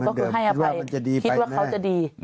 ก็คือให้อภัยมันจะดีไปแน่